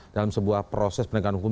dalam sebuah proses penegakan hukum